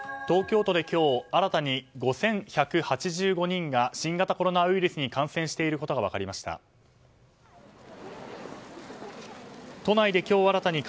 東京都で今日新たに５１８５人が新型コロナウイルスに感染していることが分かりました。